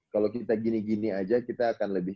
kalau kita gini gini aja kita akan lebih